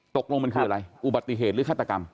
ตกลงมันคืออะไรอุบัติเหตุหรือฆาตกรรม